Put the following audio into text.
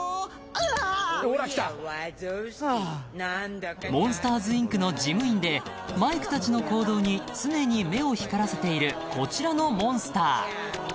「おやワゾウスキ」［モンスターズ・インクの事務員でマイクたちの行動に常に目を光らせているこちらのモンスター］